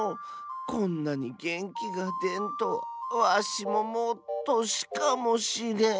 こんなにげんきがでんとはわしももうとしかもしれん。